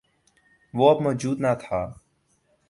وہ اب موجود نہ تھا۔